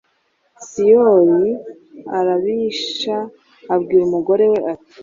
Syoli arabisha, abwira umugore; ati: